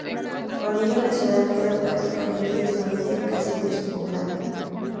Con ello la ciudad quedó prácticamente destruida y casi despoblada.